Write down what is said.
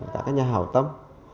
cả cái nhà hào tâm